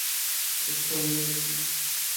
অবশ্য, আমিও একমত।